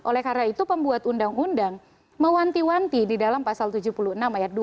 oleh karena itu pembuat undang undang mewanti wanti di dalam pasal tujuh puluh enam ayat dua